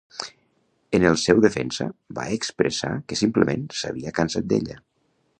En el seu defensa va expressar que simplement s'havia cansat d'ella.